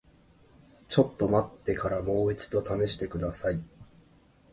ちょっと待ってからもう一度試してください。